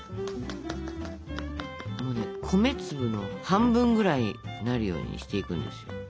米粒の半分ぐらいになるようにしていくんですよ。